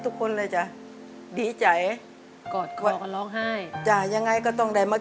ทุกคนเลยจ้ะดีใจกอดกอดกันร้องไห้จ้ะยังไงก็ต้องได้มา